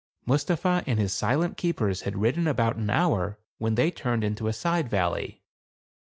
Mustapha and his silent keepers had ridden about an hour, when they turned into a side valley.